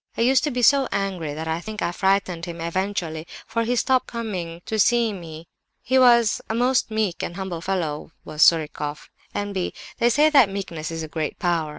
I used to be so angry that I think I frightened him eventually, for he stopped coming to see me. He was a most meek and humble fellow, was Surikoff. (N.B.—They say that meekness is a great power.